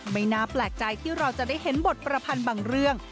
ไม่น่าแปลกใจที่เราจะได้เห็นบทประพันธ์บางเรื่อง